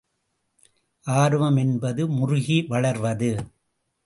ஆர்வம் என்பது முறுகி வளர்வது.